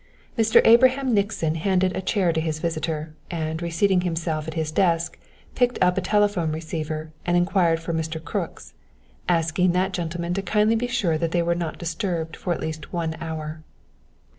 Mr. Abraham Nixon handed a chair to his visitor, and, reseating himself at his desk, picked up a telephone receiver and inquired for Mr. Crooks, asking that gentleman to kindly be sure that they were not disturbed for at least one hour.